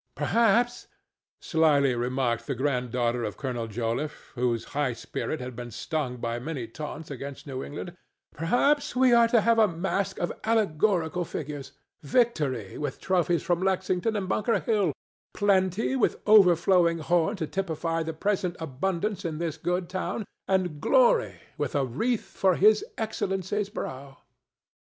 "Perhaps," slyly remarked the granddaughter of Colonel Joliffe, whose high spirit had been stung by many taunts against New England—"perhaps we are to have a masque of allegorical figures—Victory with trophies from Lexington and Bunker Hill, Plenty with her overflowing horn to typify the present abundance in this good town, and Glory with a wreath for His Excellency's brow."